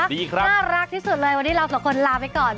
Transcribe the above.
ดีครับน่ารักที่สุดเลยวันนี้เราสองคนลาไปก่อน